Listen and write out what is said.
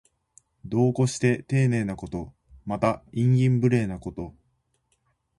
度を越してていねいなこと。また、慇懃無礼なこと。